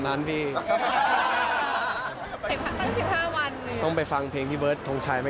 ๑๕วันที่ไม่คิดถึงครับครับ